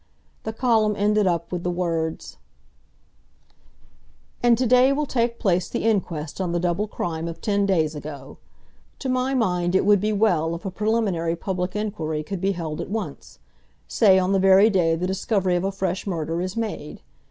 The column ended up with the words: "And to day will take place the inquest on the double crime of ten days ago. To my mind it would be well if a preliminary public inquiry could be held at once. Say, on the very day the discovery of a fresh murder is made.